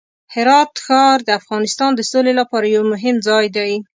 هرات ښار د افغانستان د سولې لپاره یو مهم ځای دی.